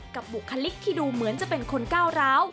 บุคลิกที่ดูเหมือนจะเป็นคนก้าวร้าว